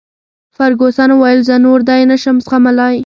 فرګوسن وویل: زه نور دی نه شم زغملای.